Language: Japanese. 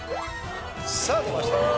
さあ出ました。